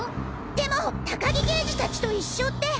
でも高木刑事たちと一緒って。